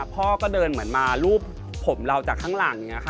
พ่อก็เดินเหมือนมารูปผมเราจากข้างหลังอย่างนี้ค่ะ